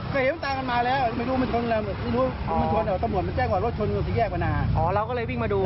ต้องกล้อมปล่อยจอดปิด